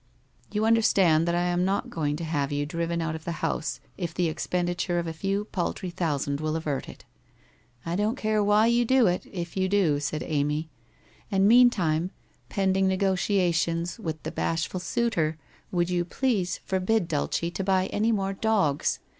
' You understand that I am not going to have you driven out of the house if the expenditure of a few paltry thousands will avert it.' ' I don't care why you do it, if you do/ said Amy. ' And meantime, [tending negotiations with the bashful 128 WHITE ROSE OF WEARY LEAF suitor, would you please forbid Dulce to buy any more dogs.